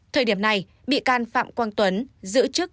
thời điểm này bị can phạm quang tuấn giữ chức